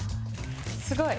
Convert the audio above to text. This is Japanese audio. すごい。